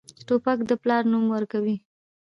توپک د پلار نوم ورکوي.